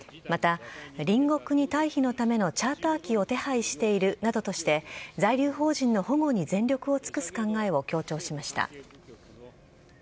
また、隣国に退避のためのチャーター機を手配しているなどとして、在留邦人の保護に全力を尽くす考えを強調しました。